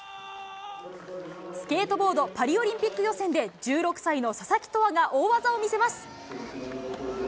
スケートボードパリオリンピック予選で、１６歳の佐々木音憧が大技を見せます。